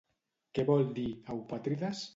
Què vol dir “eupàtrides”?